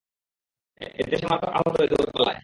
এতে সে মারাত্মক আহত হয়ে দৌড়ে পালায়।